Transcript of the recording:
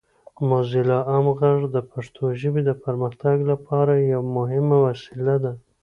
موزیلا عام غږ د پښتو ژبې د پرمختګ لپاره یوه مهمه وسیله ده.